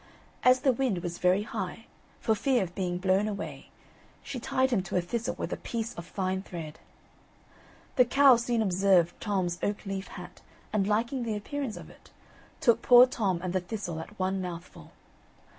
As the wind was very high, for fear of being blown away, she tied him to a thistle with a piece of fine thread. The cow soon observed Tom's oak leaf hat, and liking the appearance of it, took poor Tom and the thistle at one mouthful.